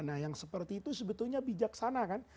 nah yang seperti itu sebetulnya bijaksana kan